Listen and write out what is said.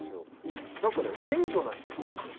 何かね謙虚な人なんですよ。